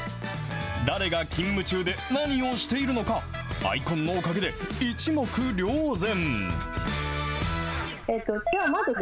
誰が勤務中で、何をしているのか、アイコンのおかげで一目瞭然。